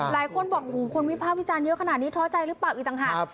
หลายคนบอกหูคนวิภาควิจารณ์เยอะขนาดนี้ท้อใจหรือเปล่าอีกต่างหาก